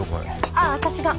あっ私が。